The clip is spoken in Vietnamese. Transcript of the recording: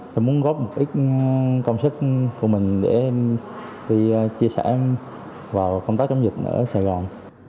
tôi muốn góp một ít công sức của mình để đi chia sẻ vào công tác chống dịch ở sài gòn